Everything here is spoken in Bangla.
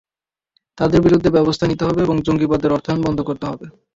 তাঁদের বিরুদ্ধে ব্যবস্থা নিতে হবে এবং জঙ্গিবাদের অর্থায়ন বন্ধ করতে হবে।